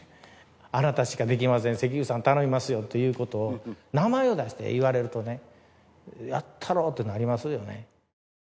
あなたしかできません関口さん頼みますよということを名前を出して言われるとね「やったろう」ってなりますよね